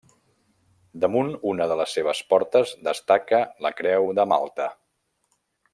Damunt una de les seves portes destaca la creu de Malta.